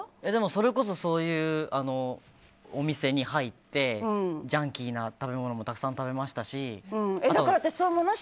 それこそそういうお店に入ってジャンキーな食べ物もたくさん食べましたし。